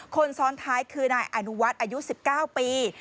คนซ้อนท้ายคือนายอนุวัฒน์อายุ๑๙ปี